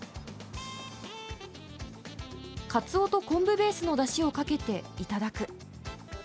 カツオと昆布ベースのだしをかけて、いただく。